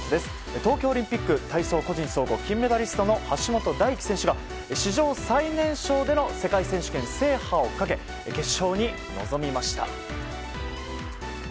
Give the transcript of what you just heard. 東京オリンピック体操個人総合、金メダリストの橋本大輝選手が史上最年少での世界選手権制覇をかけ決勝に臨みました。